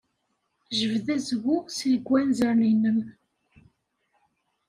Jbed azwu seg wanzaren-nnem.